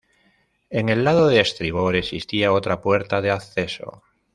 En el lado de estribor existía otra puerta de acceso.